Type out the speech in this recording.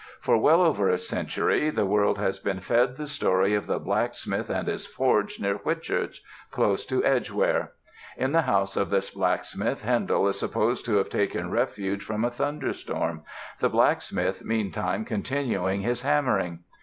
For well over a century the world has been fed the story of the blacksmith and his forge near Whitchurch, close to Edgware. In the house of this blacksmith Handel is supposed to have taken refuge from a thunderstorm, the blacksmith meantime continuing his hammering.